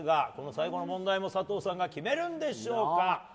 最後の問題も佐藤さんが決めるんでしょうか。